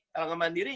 kalau nggak mandiri